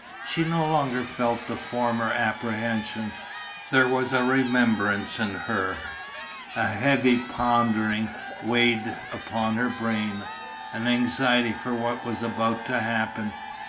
She no longer felt the former apprehension; there was a remembrance in her, a heavy pondering weighed upon her brain, an anxiety for what was about to happen.